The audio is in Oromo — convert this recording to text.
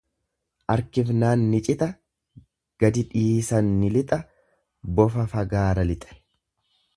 Arkifnaan ni cita gadidhiisan ni lixa bofa fagaara lixe.